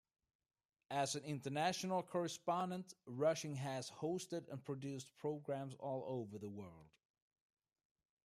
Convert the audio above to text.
As an international correspondent, Rushing has hosted and produced programs all over the world.